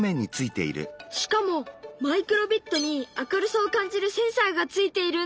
しかもマイクロビットに明るさを感じるセンサーがついているんだ。